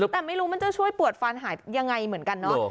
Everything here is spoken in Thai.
แต่ไม่รู้มันจะช่วยปวดฟันหายยังไงเหมือนกันเนาะ